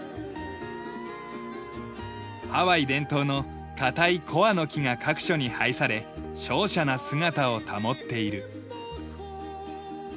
ハワイ伝統の堅いコアの木が各所に配され瀟洒な姿を保っている。